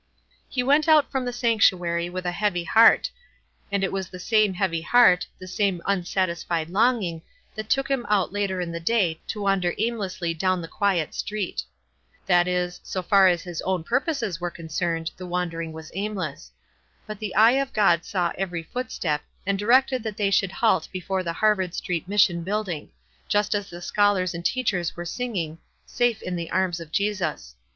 He went out from the sanctuary with a heavy heart ; and it was the same heavy heart, the same unsatisfied longing, that took him out later in the day to wander aimlessly down the quiet street, — that is, so far as his own purposes were concerned, the wandering was aimless ; but the eye of God saw every footstep, and directed that they should halt before the Harvard Street Mis sion building, just as the scholars and teachers were singing, " Safe in the arms of Jesus."